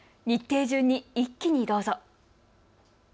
日程順に一気にどうぞ。